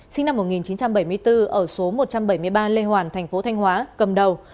sinh năm một nghìn chín trăm bảy mươi bốn ở số một trăm bảy mươi ba lê hoàn thành phố thanh hóa cầm đầu